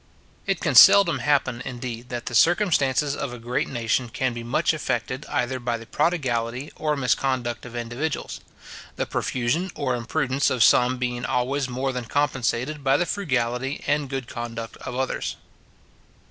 It can seldom happen, indeed, that the circumstances of a great nation can be much affected either by the prodigality or misconduct of individuals; the profusion or imprudence of some being always more than compensated by the frugality and good conduct of others.